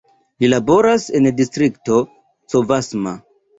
Li laboras en Distrikto Covasna.